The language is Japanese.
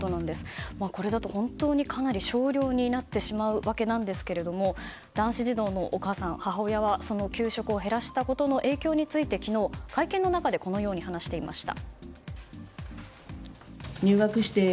これだと本当にかなり少量になってしまいますが男子児童の母親は給食を減らしたことの影響について昨日、会見の中でこのように話していました。